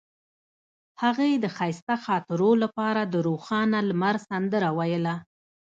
هغې د ښایسته خاطرو لپاره د روښانه لمر سندره ویله.